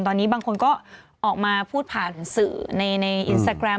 ตอนนี้บางคนก็ออกมาพูดผ่านสื่อในอินสตาแกรม